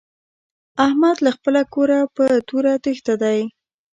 احمد له خپله کوره په توره تېښته دی.